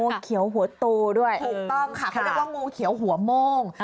เขียวหัวตูด้วยถูกต้องค่ะเขาเรียกว่างูเขียวหัวโม่ง